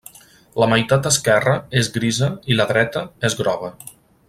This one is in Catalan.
La meitat esquerra és grisa i la dreta és groga.